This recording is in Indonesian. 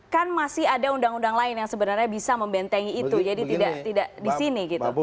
kan masih ada undang undang lain yang sebenarnya bisa membentengi itu jadi tidak di sini gitu